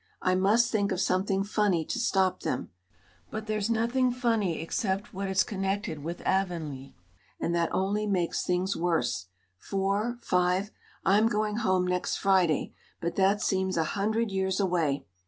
I must think of something funny to stop them. But there's nothing funny except what is connected with Avonlea, and that only makes things worse four five I'm going home next Friday, but that seems a hundred years away.